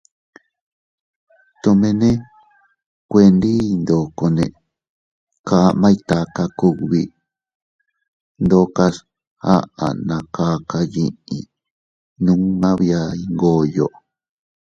Tomene kuendiy ndokone kamay taka kugbi ndokas aʼa na kaka yiʼi numma bia Iyngoyo.